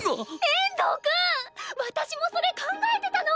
遠藤くん私もそれ考えてたの！